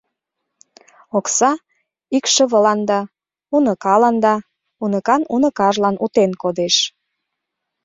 Окса икшывыланда, уныкаланда, уныкан уныкажлан утен кодеш.